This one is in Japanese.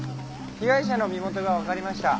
被害者の身元がわかりました。